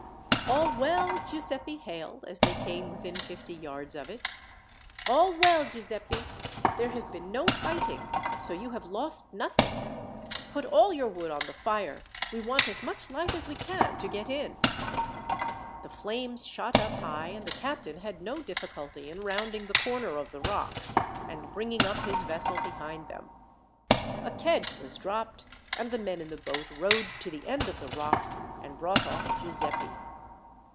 "All well?" Giuseppi hailed, as they came within fifty yards of it. "All well, Giuseppi! There has been no fighting, so you have lost nothing. Put all your wood on the fire, we want as much light as we can to get in." The flames shot up high, and the captain had no difficulty in rounding the corner of the rocks, and bringing up his vessel behind them. A kedge was dropped, and the men in the boat rowed to the end of the rocks, and brought off Giuseppi.